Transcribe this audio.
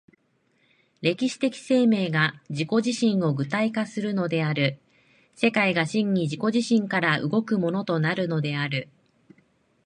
歴史的生命が自己自身を具体化するのである、世界が真に自己自身から動くものとなるのである。